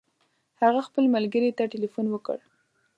هغه خپل ملګري ته تلیفون وکړ.